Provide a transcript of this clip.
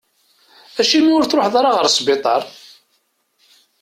Acimi ur truḥeḍ ara ɣer sbiṭar?